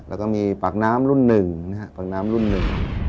แล้วก็มีปากน้ำรุ่นหนึ่งนะฮะปากน้ำรุ่นหนึ่ง